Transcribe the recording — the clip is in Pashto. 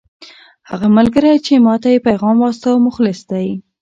هغه ملګری چې ما ته یې پیغام واستاوه مخلص دی.